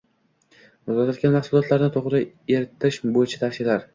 Muzlatilgan mahsulotlarni to‘g‘ri eritish bo‘yicha tavsiyalar